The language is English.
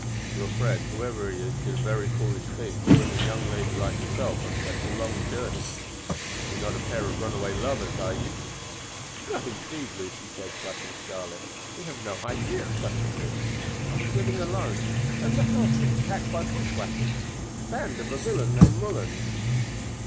"Your friend, whoever he is, did a very foolish thing to bring a young lady like yourself on such a long journey. You are not a pair of runaway lovers, are you?" "No, indeed," Lucy said, flushing scarlet; "we have no idea of such a thing. I was living alone, and the house was attacked by bushwhackers, the band of a villain named Mullens."